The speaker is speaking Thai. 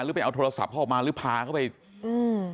หรือเอาโทรศัพท์เค้าออกมาหรือพ่าก็ไปรับดู